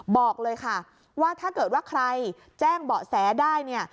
บอกเลยค่ะว่าถ้าเกิดว่าใครแจ้งเบาะแสได้เนี่ย